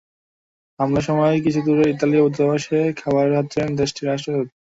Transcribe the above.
হামলার সময় কিছু দূরে ইতালীয় দূতাবাসে বসে খাবার খাচ্ছিলেন দেশটির রাষ্ট্রদূত।